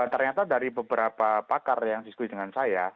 ternyata dari beberapa pakar yang diskusi dengan saya